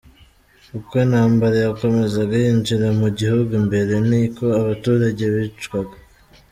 Uko intambara yakomezaga yinjira mu gihugu imbere, ni ko abaturage bicwaga.